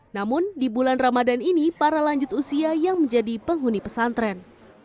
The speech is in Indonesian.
namun di bulan ramadan ini para lanjut usia yang menjadi penghuni pesantren